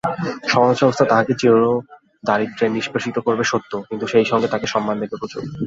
সমাজব্যবস্থা তাঁকে চিরদারিদ্র্যে নিষ্পেষিত করবে সত্য, কিন্তু সেই সঙ্গে তাঁকে সম্মান দেবে প্রচুর।